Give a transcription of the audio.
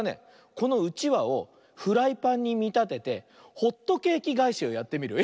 このうちわをフライパンにみたててホットケーキがえしをやってみるよ。